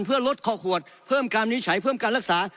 เพื่อลดคอขวดเพิ่มการวินิจฉัยเพิ่มการรักษา